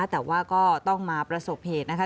แต่ว่าก็ต้องมาประสบเหตุนะคะ